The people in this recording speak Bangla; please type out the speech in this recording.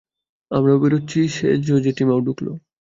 আমরাও বেরুচ্চি, সেজজেঠিমাও ঢুকলো।